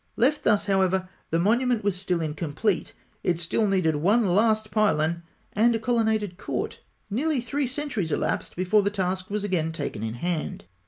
Left thus, however, the monument was still incomplete. It still needed one last pylon and a colonnaded court. Nearly three centuries elapsed before the task was again taken in hand.